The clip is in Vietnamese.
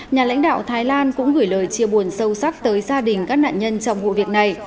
nhà lãnh đạo thái lan cũng gửi lời chia buồn sâu sắc tới gia đình các nạn nhân trong vụ việc này